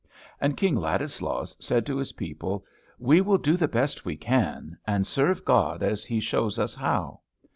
And King Ladislaus said to his people, "We will do the best we can, and serve God as He shows us how!"